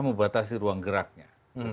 untuk batasi ruang geraknya